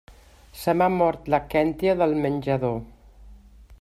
Se m'ha mort la kèntia del menjador.